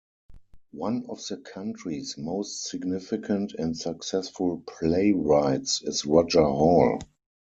One of the country's most significant and successful playwrights is Roger Hall.